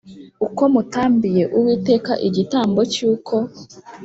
Uko mutambiye uwiteka igitambo cy uko